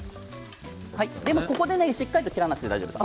ここでしっかり切らなくて大丈夫です。